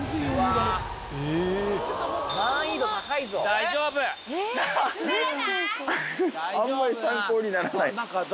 大丈夫ら。